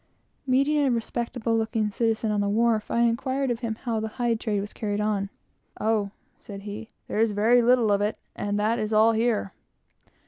Meeting a respectable looking citizen on the wharf, I inquired of him how the hide trade was carried on. "O," said he, "there is very little of it, and that is all here.